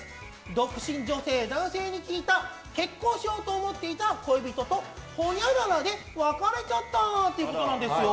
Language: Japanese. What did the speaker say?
独身女性・男性に聞いた結婚しようと思っていた恋人とほにゃららで別れちゃったということなんです。